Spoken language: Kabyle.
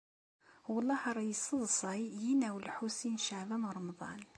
Wellah ar yesseḍsay yinaw n Lḥusin n Caɛban u Ṛemḍan.